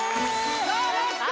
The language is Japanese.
さあラスト！